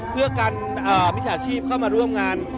เพื่อกันมิจฉาชีพเข้ามาร่วมงาน